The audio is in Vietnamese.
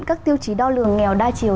các tiêu chí đo lường nghèo đa chiều